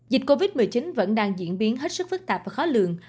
dịch covid một mươi chín vẫn đang diễn biến hết sức phức tạp và khó lường